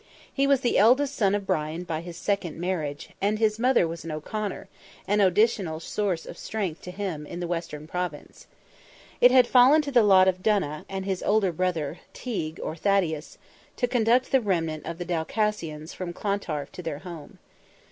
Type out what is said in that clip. He was the eldest son of Brian by his second marriage, and his mother was an O'Conor, an additional source of strength to him, in the western Province. It had fallen to the lot of Donogh, and his elder brother, Teigue or Thaddeus, to conduct the remnant of the Dalcassians from Clontarf to their home.